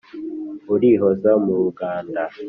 Urihoza mu ruganda,